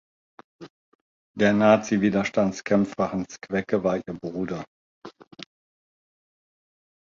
Der Nazi-Widerstandskämpfer Hans Quecke war ihr Bruder.